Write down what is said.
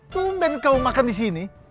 tumben kau makan disini